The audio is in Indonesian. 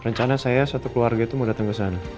rencana saya satu keluarga itu mau datang ke sana